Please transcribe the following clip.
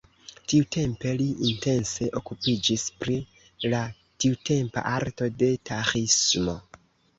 Tiutempe li intense okupiĝis pri la tiutempa arto de taĥismo.